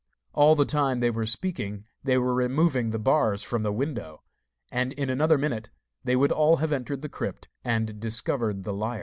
All the time they were speaking they were removing the bars from the window, and in another minute they would all have entered the crypt, and discovered the liar.